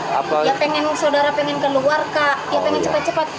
ya pengen saudara pengen keluar kak ya pengen cepat cepat